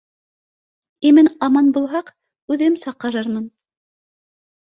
— Имен-аман булһаҡ, үҙем саҡырыр мын